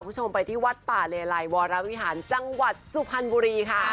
พี่ผู้ชมไปที่วัดป่าเลรายวรวรวิธรจังหวัดสุพรรณบุรี